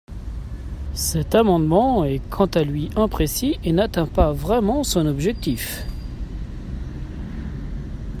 Cet amendement est quant à lui imprécis et n’atteint pas vraiment son objectif.